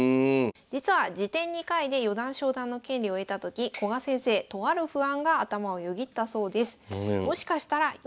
実は次点２回で四段昇段の権利を得た時古賀先生とある不安が頭をよぎったそうです。